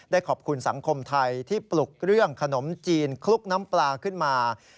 ขอบคุณสังคมไทยที่ปลุกเรื่องขนมจีนคลุกน้ำปลาขึ้นมา